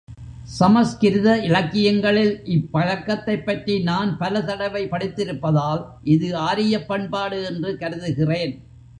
சமஸ்கிருத இலக்கியங்களில் இப் பழக்கத்தைப் பற்றி நான் பல தடவை படித்திருப்பதால் இது ஆரியப் பண்பாடு என்று கருதுகிறேன்.